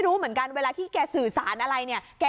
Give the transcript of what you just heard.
ตอนหลังบอกมาเมื่อกี้